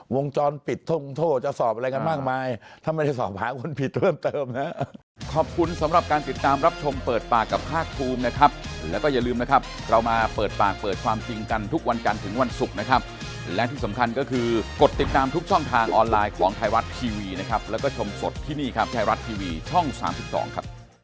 วงจรปิดท่งโทษจะสอบอะไรกันมากมายถ้าไม่ได้สอบหาคนผิดเพิ่มเติมนะครับ